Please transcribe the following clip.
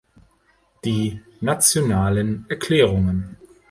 Die nationalen Erklärungen.